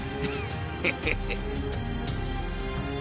ヘヘヘ。